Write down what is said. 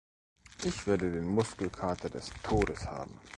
Ich werde den Muskelkater des Todes haben!